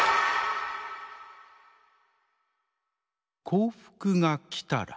「『幸福』がきたら」。